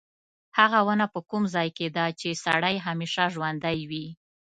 هغه ونه په کوم ځای کې ده چې سړی همیشه ژوندی وي.